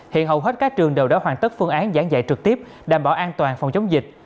hiện hầu hết các trường đều đã hoàn tất phương án giảng dạy trực tiếp đảm bảo an toàn phòng chống dịch